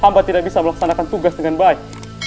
tanpa tidak bisa melaksanakan tugas dengan baik